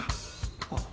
あっ。